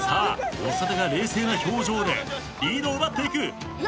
長田が冷静な表情でリードを奪っていく。